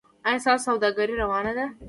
ایا ستاسو سوداګري روانه ده؟